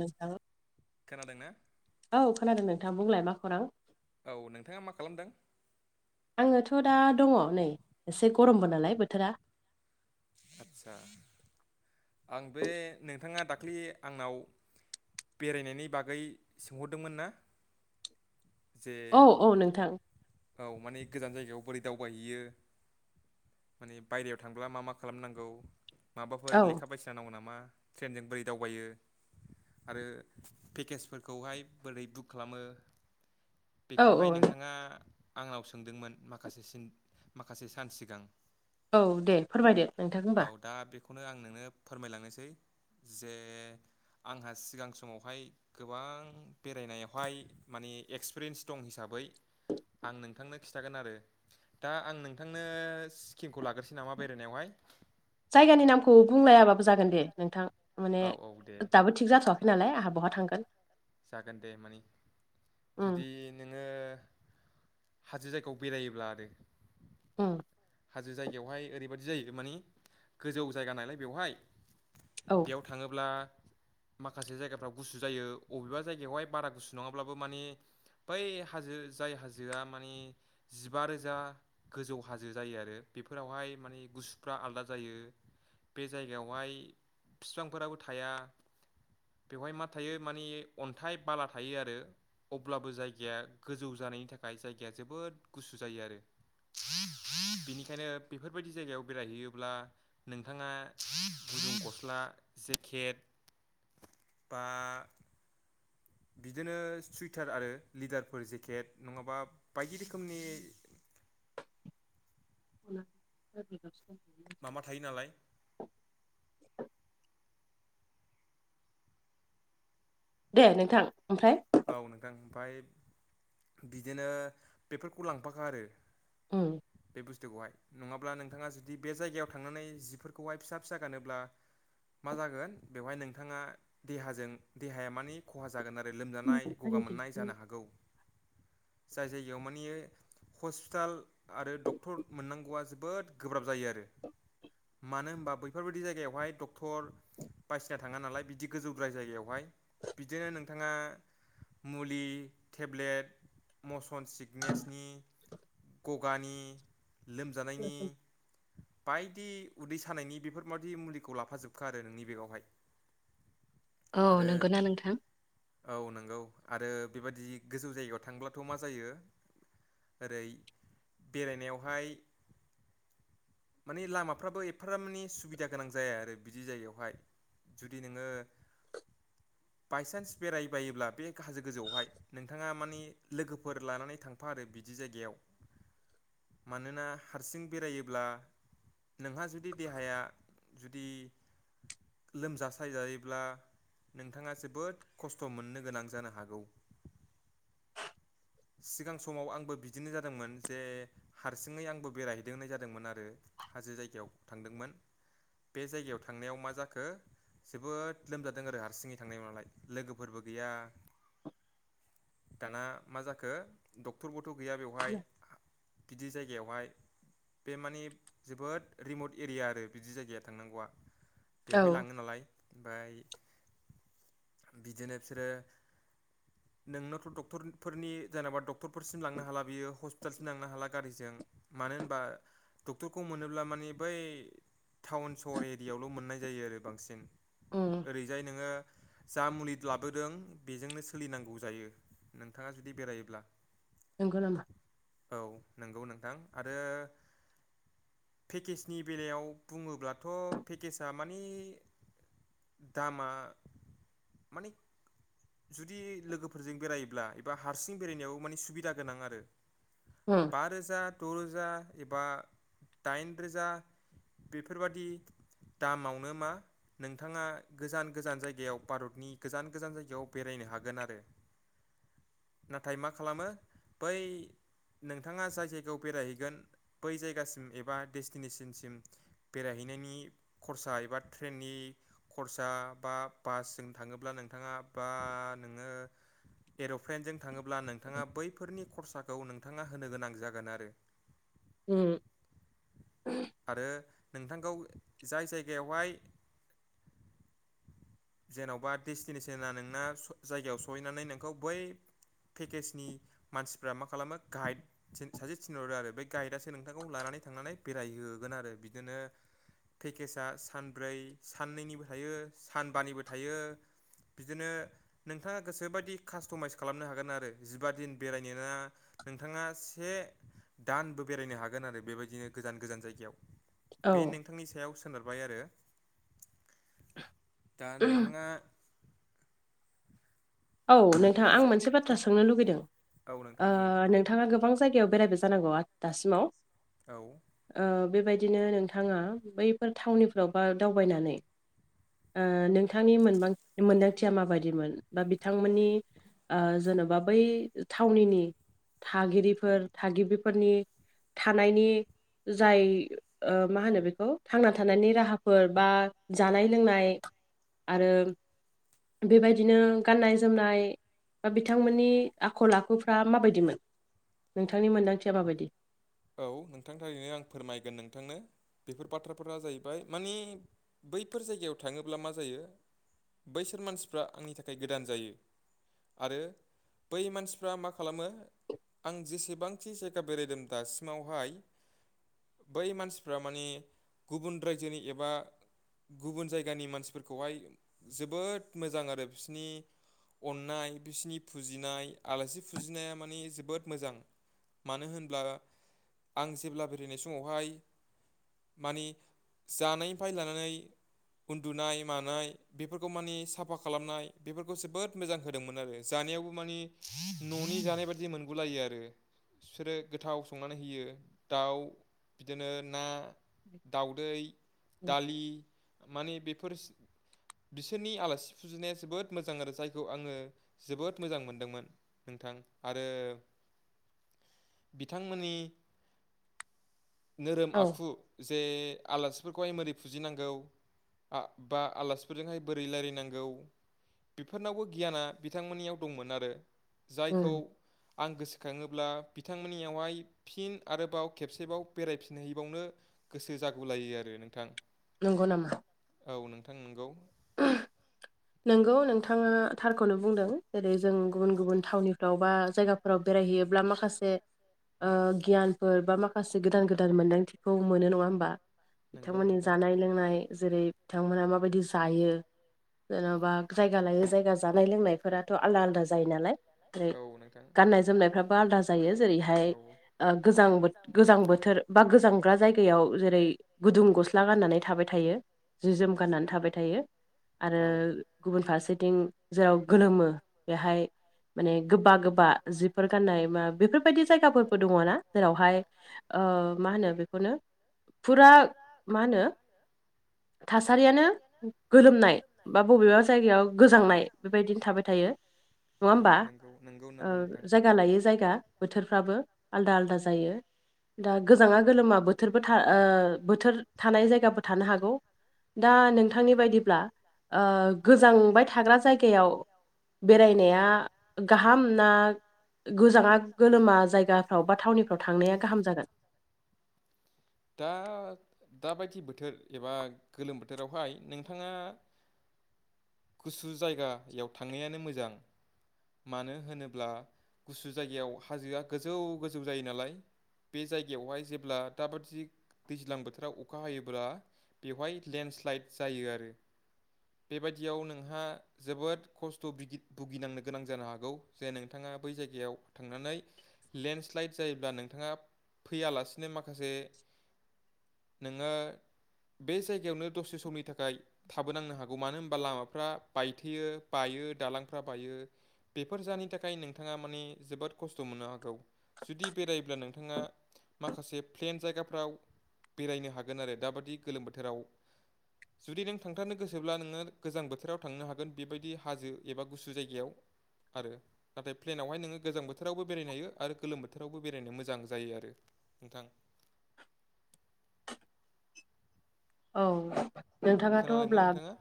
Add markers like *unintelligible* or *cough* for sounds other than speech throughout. नोंथां खोनादों ना औ खोनादों नोंथां बुंलाय मा खौरां औ नोंथाङा मा खालामदों आङोथ' दा दङ नै एसे गरमबो नालाय बोथोरा आदसा आं बे नोंथाङा दाखालि आंनाव बेरायनायनि बागै सोंहरदोंमोन ना जे औ औ नोंथां औ माने गोजान जायगायाव बोरै दावबायहैयो माने बायहेरायाव थांब्ला मा मा खालामनांगौ माबाफोर औ लेखा बायदिसिना नांगौ नामा ट्रेनजों बोरै दावबायो आरो पेकेजफोरखौहाय बोरै बुक खालामो औ बेखौहाय औ नोंथाङा आंनाव सोंदोंमोन माखासे माखासे सान सिगां औ दे फोरमायदो नोंथां होमबा औ दा बेखौनो आं नोंनो फोरमायलांनोसै जे आंहा सिगां समावहाय गोबां बेरायनायावहाय माने एक्सपिरियेन्स दं हिसाबै आं नोंथांनो खिन्थागोन आरो दा आं नोंथांनो सिक्किमखौ लाग्रोसै नामा बेरायनायावहाय जायगानि नामखौ बुंलायाबाबो जागोन दे नोंथां माने औ औ दे दाबो थिग जाथ'वाखै नालाय आंहा बहा थांगोन जागोन दे मानि उम जुदि नोङो हाजो जायगायाव बेरायोब्ला आरो *inaudible* हाजो जायगायावहाय ओरैबायदि जायो मानि गोजौ जायगा नालाय बेवहाय औ बेयाव थाङोब्ला माखासे जायगाफ्राव गुसु जायो अबेबा जायगायावहाय बारा गुसु नङाब्लाबो माने बै हाजो जाय हाजोआ मानि जिबा रोजा गोजौ हाजो हाजौ जायो आरो बेफोरावहाय माने गुसुफ्रा आलादा जायो बे जायगायावहाय बिफांफोराबो थाया बेवहाय मा थायो मानि अन्थाइ बाला थायो आरो अब्लाबो जायगाया गोजौ जानायनि थाखाय जायगाया जोबोद गुसु जायो आरो बिनिखायनो बेफोरबायदि जायगायाव बेरायहैयोब्ला नोंथाङा गुदुं गस्ला जेकेट बा बिदिनो सुइटार आरो लेडारफोर जेकेट नङाबा बायदि रोखोमनि *unintelligible* माबा थायो नालाय दे नोंथां ओमफ्राय औ नोंथां ओमफ्राय बिदिनो बेफोरखौ लांफाखा आरो उम बे बुस्थुखौहाय नङाब्ला नोंथाङा जुदि बे जायगायाव थांनानै जिफोरखौहाय फिसा फिसा गानोब्ला मा जागोन बेवहाय नोंथाङा देहाजों देहाया मानि खहा जागोन आरो। लोमजानाय गगा मोननाय जानो हागौ जाय जायगायाव मानि हस्पिटाल आरो डक्टर मोननांगौआ जोबोद गोब्राब जायो आरो मानो होनबा बैफोरबायदि जायगायावहाय डक्टर बायसिना थाङा नालाय बिदि गोजौ ब्राय जायगायावहाय बिदिनो नोंथाङा मुलि टेब्लेट मसन सिकनेसनि गगानि लोमजानायनि बायदि उदै सानायनि बेफोरबादि मुलिखौ लाफाजोबखो आरो नोंनि बेगावहाय *inaudible* औ नंगौना नोंथां। औ नंगौ आरो बेबदि गोजौ जायगायाव थांब्लाथ' मा जायो। ओरै बेरायनायावहाय माने लामाफ्राबो एफार माने सुबिदा गोनां जाया आरो बिदि जायगायावहाय जुदि नोङो बायसान्स बेरायबायोब्ला बे हाजो गोजौआवहाय नोंथाङा मानि लोगोफोर लानानै थांफा आरो बिदि जायगायाव मानोना हारसिं बेरायोब्ला नोंहा जुदि देहाया जुदि लोमज सायजायोब्ला नोंथाङा जोबोद खस्थ' मोननो गोनां जानो हागौ। सिगां समाव आंबो बिदिनो जादोंमोन जे हारसिङै आंबो बेरायहैदों होननाय जादोंमोन आरो हाजो जायगायाव थांदोंमोन। बे जायगायाव थांनायाव मा जाखो जोबोद लोमजादों आरो हारसिङै थांनायाव नालाय। लोगोफोरबो गैया दाना मा जाखो? डक्टरबोथ' गैया बेवहाय गिदिर जायगायावहाय बे मानि जोबोद रिमट एरिया आरो बिदि जायगाया थांनांगौआ बेवहाय औ लाङो नालाय ओमफ्राय बिदिनो बिसोरो नोंनावथ' डक्टरफोरनि जेनेबा डक्टरफोरसिम लांनो हाला बियो हस्पिटालसिम लांनो हाला गारिजों मानो होनबा डक्टरखौ मोनोब्ला मानि बै टाउन सहर एरियायावल' मोननाय जायो आरो बांसिन उम ओरैजाय नोङो जा मुलि लाबोदों बेजोंनो सोलिनांगौ जायो नोंथाङा जुदि बेरायोब्ला नोंगौ नामा? औ नंगौ नोंथां आरो। पेकेजनि बेलायाव बुङोब्लाथ' पेकेजआ मानि दामा मानि जुदि लोगोफोरजों बेरायोब्ला एबा हारसिं बेरायनायाव माने सुबिदा गोनां आरो। अ। बा रोजा द' रोजा एबा दाइन रोजा बेफोरबादि दामावनो मा नोंथाङा गोजान गोजान जायगायाव भारतनि गोजान गोजान जायगायाव बेरायनो हागोन आरो नाथाय मा खालामो बै नोंथाङा जाय जायगायाव बेरायहैगोन बै जायगासिम एबा डेस्टिनेसनसिम बेरायहैनायनि खरसा एबा ट्रेननि खरसा बा बासजों थाङोब्ला नोंथाङा बा नोङो एर'प्लेनजों थाङोब्ला नोंथाङा बैफोरनि खरसाखौ नोंथाङा होनो गोनां जागोन आरो। उम। *inaudible* आरो नोंथांखौ जाय जायगायावहाय जेन'बा डेस्टिनेसना नोंना जायगायाव सहैनानै नोंखौ बै पेकेजनि मानसिफ्रा मा खालामो गाइड सासे थिनहरो आरो बे गाइडसो नोंथांखौ लानानै थांनानै बेरायहोहोगोन आरो बिदिनो पेकेजआ सानब्रै साननैनिबो थायो सानबानिबो थायो बिदिनो नोंथाङा गोसोबायदि कास्ट'माइस खालामनो हागोन आरो जिबा दिन बेरायनोना नोंथाङा से दानबो बेरायनो हागोन आरो बेबायदिनो गोजान गोजान जायगायाव औ बे नोंथांनि सायाव सोनारबाय आरो दा नोंथाङा औ नोंथां आं हाजो मोनसे बाथ्रा सोंनो लुगैदों औ नोंथां ओ बुं नों थाङा गोबां जायगायाव बेरायबाय जानांगौ आ दासिमाव औ बेबायदिनो नोंथाङा बैफोर थावनिफ्राव बा दावबायनानै ओ नोंथांनि मोनबां मोनदांथिया माबायदिमोन बा बि थांमोननि जेन'बा बै थावनिनि थागिरिफोर थागिबिफोरनि थानायनि जाय ओ मा होनो बेखौ थांना थानायनि राहाफोर बा जानाय लोंनाय आरो बेबायदिनो गाननाय जोमनाय बा बिथांमोननि आखल आखुफ्रा माबायदिमोन? नोंथांनि मोनदांथिया माबायदि? औ नोंथांनि थाखायनो आं फोरमायगोन नोंथांनो बेफोर बाथ्राफोरा जाहैबाय मानि बैफोर जायगायाव थाङोब्ला मा जायो बैसोर मानसिफ्रा आंनि थाखाय गोदान जायो आरो बै मानसिफ्रा मा खालामो आं जेसेबांखि जायगा बेरायदों दासिमावहाय बै मानसिफ्रा माने गुबुन रायजोनि एबा गुबुन जायगानि मानसिफोरखौहाय जोबोद मोजां आरो बिसोरनि अननाय बिसोरनि फुजिनाय आलासि फुजिनाया माने जोबोद मोजां मानो होनब्ला आं जेब्ला बेरायनाय समावहाय मानि जानायनिफ्राय लानानै उन्दुनाय मानाय बेफोरखौ मानि साफा खालामनाय बेफोरखौ जोबोद मोजां होदोंमोन आरो जानायावबो मानि न'नि जानाय बायदि मोनगुलायो आरो बिसोरो गोथाव सङ नानै होयो दाउ बिदिनो ना दाउदै दालि माने बेफोर बिसोरनि आलासि फुजिनाया जोबोद मोजां आरो जायखौ आङो जोबोद मोजां मोनदोंमोन नोंथां आरो बिथां बिथांनि नोरोम औ आखु जे आलासिफोरखौहाय माबोरै फुजिनांगौ आ बा आलासिफोरजोंहाय बोरै रायज्लायनांगौ बेफोरनावबो गियाना बिथांमोननियाव दंमोन आरो उम जायखौ आं गोसोखाङोब्ला बिथांमोननियावहाय फिन आरोबाव खेबसेबाव बेरायफिनहैबावनो गोसो जागु लायो आरो नोंथां नंगौ नामा औ नोंथां नंगौ नोंगौ नोंथाङा थारखौनो बुंदों जेरै जों गुबुन गुबुन थावनिफ्राव बा जायगा फोराव बेरायहैयोब्ला माखासे ओ गियानफोर बा माखासे गोदान गोदान मोनदांथिखौ मोनो नङा होमबा नंगौ बिथांमोननि नोंथां जानाय लोंनाय जेरै बिथांमोनहा माबायदि जायो जेन'बा जायगा लायै जायगा जानाय लोंनायफोराथ' आलदा आलदा जायो नालाय ओेरै औ नोंथां गाननाय जोमनायफ्राबो आलदा जायो जेरैहाय औ गोजांबोथ गोजां बोथोर बा गोजांग्रा जायगायाव जेरै गुदुं गस्ला गाननानै थाबाय थायो जि जोम गाननानै थाबाय थायो आरो औ गुबुन फारसेथिं जेराव गोलोमो बेहाय माने गोबा गोबा जिफोर गान्नाय मा बेफोरबायदि जायगाफोरबो दङ ना जेरावहाय ओ मा होनो बेखौनो फुरा मा होनो थासारियानो गोलोमनाय बा बबेबा जायगायाव गोजांनाय बेबायदिनो थाबाय थायो नङा औ होमबा नोंगौ ओ जायगा लायै जायगा बोथोरफ्राबो आलदा आलदा जायो दा गोजाङा गोलोमा बोथोरबो ओ बोथोर थानाय जायगा थानो हागौ दा नोंथांनि बायदिब्ला ओ गोजांबाय थाग्रा जायगायाव बेरायनाया गाहाम ना गोजाङा गोलोमा जायगाफ्राव बा थावनिफ्राव थांनाया गाहाम जागोन दा दाबायदि बोथोर एबा गोलोम बोथोरावहाय नोंथाङा गुसु जायगायाव थांनायानो मोजां मानो होनोब्ला गुसु जायगायाव हाजोआ गोजौ गोजौ जायो नालाय बे जायगायावहाय जेब्ला दाबा दि दैज्लां बोथोराव अखा हायोब्ला बेवहाय लेन्डस्लाइद जायो आरो बेबायदियाव नोंहा जोबोद खस्थ' भुगिनांनो गोनां जानो हागौ जे नोंथाङा बै जायगायाव थांनानै लेन्डस्लाइद जायोब्ला नोंथाङा फैयालासिनो माखासे नोङो बे जायगायावनो दसे समनि थाखाय थाबोनांनो हागौ मानो होनबा लामाफ्रा बायथेयो बायो दालांफ्रा बायो बेफोर जाहोननि थाखाय नोंथाङा माने जोबोद खस्थ' मोननो हागौ जुदि बेरायोब्ला नोंथाङा माखासे प्लेन जायगा फ्राव बेरायनो हागोन आरो दाबायदि गोलोम बोथोराव जुदि नों थांथारनो गोसोब्ला नोङो गोजां बोथोराव थांनो हागोन बेबायदि हाजो एबा गुसु जायगायाव आरो नाथाय प्लेनावहाय नोङो गोजां बोथोरावबो बेरायनो हायो आरो गोलोम बोथोरावबो बेरायनो मोजां जायो आरो नोंथां औ नोंथाङाथ' खोनादोंना अब्ला नोंथाङा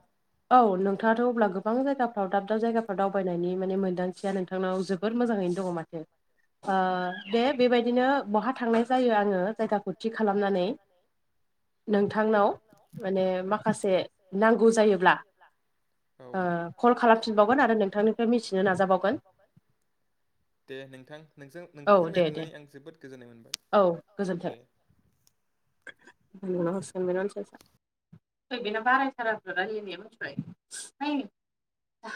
औ नोंथाङाथ' अब्ला गोबां जायगाफ्राव दाब दाब जायगाफोराव दावबायनायनि माने मोनदांथिया नोंथांनाव जोबोद जोबोद मोजाङैनो दङ माथो ओ दे बेबायदिनो बहा थांनाय जायो आङो जायगाखौ थि खालामनानै नोंथांनाव माने माखासे नांगौ जायोब्ला औ ओ कल खालामफिनबावगोन आरो नोंथांनिफ्राय मिथिनो नाजाबावगोन दे नोंथां नोंजों औ नोंथांजों दे दे रायज्लायनानै आं जोबोद गोजोननाय मोनबाय औ गोजोन्थों दे *unintelligible* बेना बारायथारा *unintelligible*